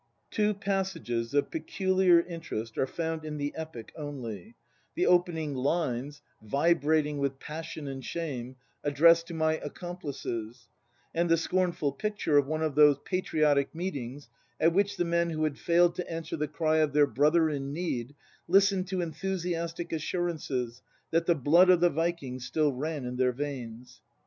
Two passages of peculiar interest are found in the " Epic" only : the opening lines, vibrating with passion and shame, addressed "to my Accomplices"; and the scornful picture of one of those patriotic meetings at which the men who had failed to answer the cry of their "brother in need," listened to enthusiastic assurances that the blood of the Vikings still ran in their veins.